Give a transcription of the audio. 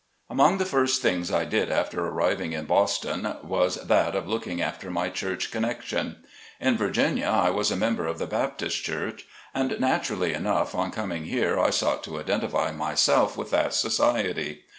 |MONG the first things I did after arriving in Boston, was that of looking after my church connection. In Virginia, I was a member of the Baptist Church. And naturally enough on coming here I sought to identify myself with that society.